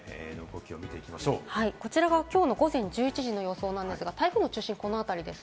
こちらがきょう午前１１時の予想なんですが、台風の位置がここです。